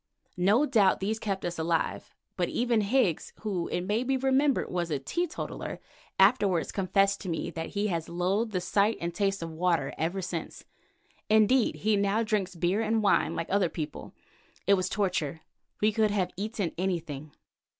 No doubt these kept us alive, but even Higgs, who it may be remembered was a teetotaller, afterwards confessed to me that he has loathed the sight and taste of water ever since. Indeed he now drinks beer and wine like other people. It was torture; we could have eaten anything.